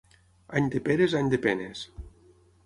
Any de peres, any de penes.